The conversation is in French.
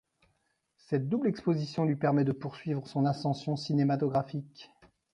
Cette double exposition lui permet de poursuivre son ascension cinématographique.